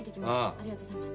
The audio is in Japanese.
ありがとうございます。